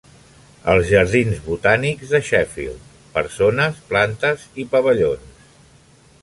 Els jardins botànics de Sheffield: persones, plantes i pavellons.